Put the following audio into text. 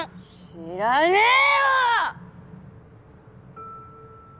知らねえよっ！